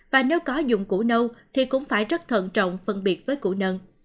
và nếu có dùng củ nâu thì cũng phải rất thận trọng phân biệt với củ nần